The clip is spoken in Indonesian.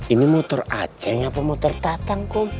ini motor acing apa motor tak tang kom